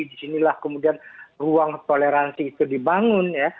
di sinilah kemudian ruang toleransi itu dibangun ya